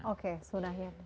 oke sunnah ya